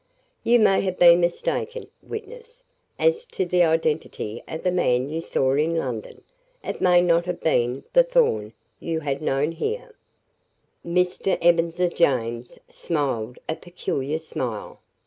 "You may have been mistaken, witness, as to the identity of the man you saw in London. It may not have been the Thorn you had known here." Mr. Ebenezer James smiled a peculiar smile.